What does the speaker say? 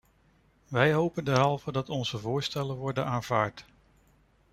Wij hopen derhalve dat onze voorstellen worden aanvaard.